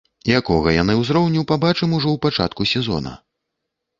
Якога яны ўзроўню, пабачым ужо ў пачатку сезона.